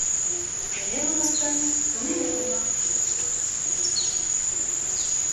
Теле боҙоҡтоң, күңеле боҙоҡ.